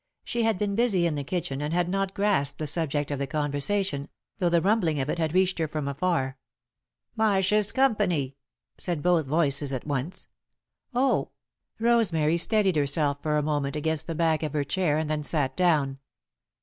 She had been busy in the kitchen and had not grasped the subject of the conversation, though the rumbling of it had reached her from afar. "Marshs' company," said both voices at once. "Oh!" Rosemary steadied herself for a moment against the back of her chair and then sat down.